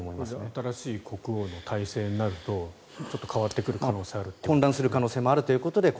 新しい国王の体制になるとちょっと変わってくる可能性があるということですね。